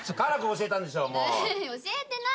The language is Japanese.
教えてないよね。